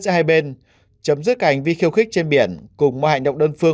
giữa hai bên chấm dứt cả hành vi khiêu khích trên biển cùng một hành động đơn phương